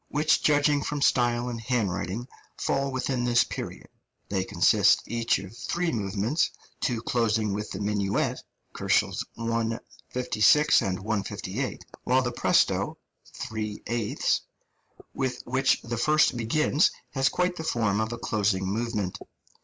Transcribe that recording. which, judging from style and handwriting, fall within this period. They consist each of three movements, two closing with the minuet (156, 158, K.), while the presto, 3 8, with which the first begins has quite the form of a closing movement.